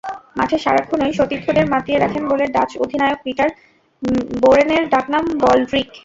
মাঠে সারাক্ষণই সতীর্থদের মাতিয়ে রাখেন বলে ডাচ অধিনায়ক পিটার বোরেনের ডাকনাম বলড্রিক।